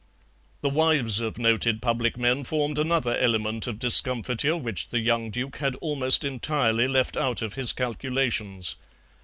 The wives of noted public men formed another element of discomfiture which the young Duke had almost entirely left out of his calculations.